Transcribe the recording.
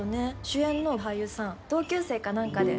主演の俳優さん同級生か何かで。